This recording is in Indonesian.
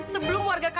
sebelum warga kita